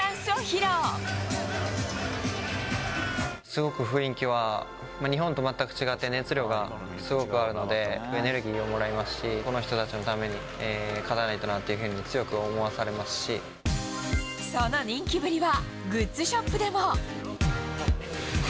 すごく雰囲気は日本と全く違って、熱量がすごくあるので、エネルギーをもらいますし、この人たちのために勝たないとなっていうふうにも、強く思わされその人気ぶりは、グッズショップでも。